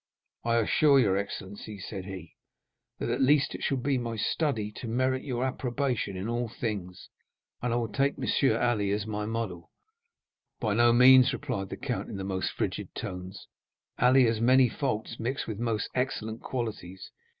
"I assure your excellency," said he, "that at least it shall be my study to merit your approbation in all things, and I will take M. Ali as my model." "By no means," replied the count in the most frigid tones; "Ali has many faults mixed with most excellent qualities.